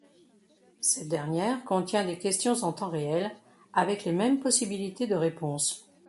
Cette dernière contient les questions en temps réel, avec les mêmes possibilités de réponses.